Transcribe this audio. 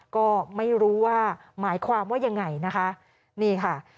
ก็ไม่รู้ว่าหมายความว่ายังไงนะคะนี่ค่ะ